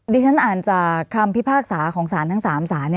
ฉันอ่านจากคำพิพากษาของสารทั้ง๓ศาล